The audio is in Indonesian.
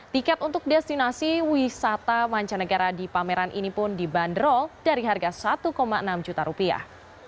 tiket untuk destinasi wisata mancanegara di pameran ini pun dibanderol dari harga satu enam juta rupiah